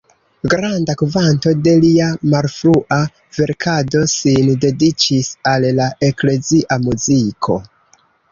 Granda kvanto de lia malfrua verkado sin dediĉis al la eklezia muziko.